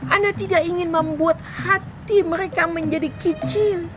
ana tidak ingin membuat hati mereka menjadi kecil